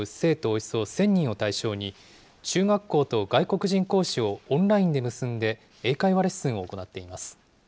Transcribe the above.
およそ１０００人を対象に、中学校と外国人講師をオンラインで結んで、英会話レッスンを行っています。